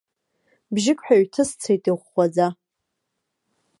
Бжьык ҳәа ҩҭысцеит иӷәӷәаӡа.